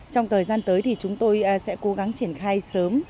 trong thời gian tới thì chúng tôi sẽ cố gắng triển khai sớm